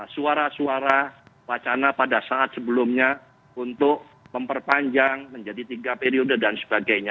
suara suara wacana pada saat sebelumnya untuk memperpanjang menjadi tiga periode dan sebagainya